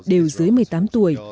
đều dưới một mươi tám tuổi